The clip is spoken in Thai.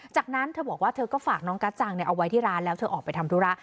จากนั้นเธอบอกว่าเธอก็ฝากน้องกัจจังเอาไว้ที่ร้านแล้วเธอออกไปทำธุระ